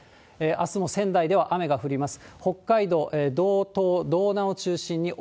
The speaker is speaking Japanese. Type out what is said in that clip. あすも仙台では雨が降ります。